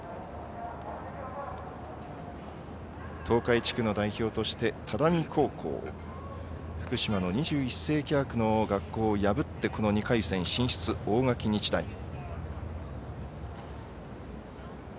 東海地区の代表として只見高校を福島の２１世紀枠の学校を破ってこの２回戦進出、大垣日大。